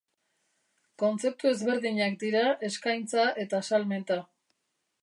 Kontzeptu ezberdinak dira eskaintza eta salmenta.